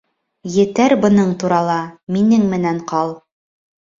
Етәр бының турала, Минең менән ҡал.